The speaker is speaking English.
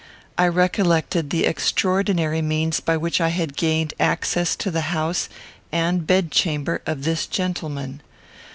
I recollected the extraordinary means by which I had gained access to the house and bedchamber of this gentleman.